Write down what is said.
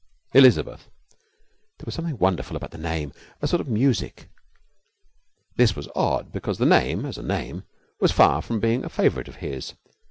'Elizabeth!' There was something wonderful about the name, a sort of music. This was odd, because the name, as a name, was far from being a favourite of his.